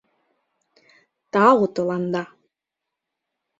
— Тау тыланда!